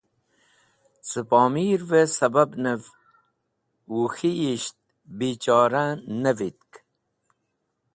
Cẽ Pomirvẽ sẽbabnẽv Wuk̃hiyisht bichora ne vitk.